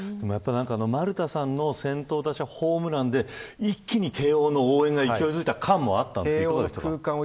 丸田さんの先頭打者ホームランで一気に慶応の応援が勢いづいた感もあったわけですか。